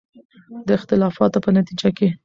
د اختلافاتو په نتیجه کې